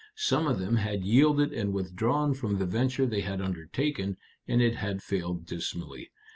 Some of them had yielded and withdrawn from the venture they had undertaken, and it had failed dismally.